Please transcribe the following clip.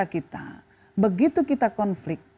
kita begitu kita konflik